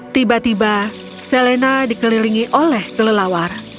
tiba tiba selena dikelilingi oleh kelelawar